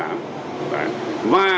và đặc biệt